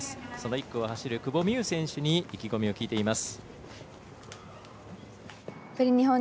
１区を走る久保心優選手に意気込みを聞いています。